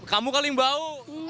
kamu kali yang bau